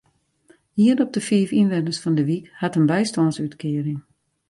Ien op de fiif ynwenners fan de wyk hat in bystânsútkearing.